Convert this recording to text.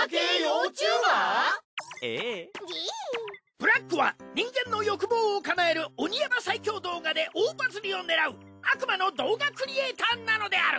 ブラックは人間の欲望を叶える鬼ヤバ最強動画で大バズリを狙う悪魔の動画クリエイターなのである！